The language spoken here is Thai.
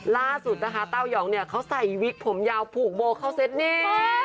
ล่าสุดนะคะเต้ายองเค้าใส่วิกผมยาวผูกโบเคาะเส้นนี้